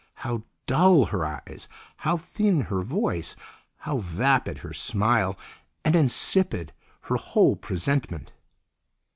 How dull her eyes, how thin her voice, how vapid her smile, and insipid her whole presentment.